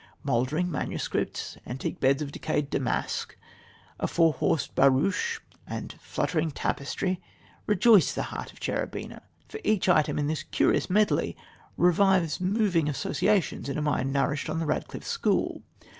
Mouldering manuscripts, antique beds of decayed damask, a four horsed barouche, and fluttering tapestry rejoice the heart of Cherubina, for each item in this curious medley revives moving associations in a mind nourished on the Radcliffe school.